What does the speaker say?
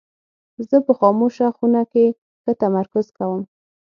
زه په خاموشه خونه کې ښه تمرکز کوم.